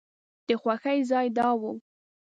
د خوښۍ ځای دا و.